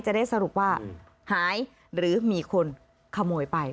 จะได้สรุปว่าหายหรือมีคนขโมยไป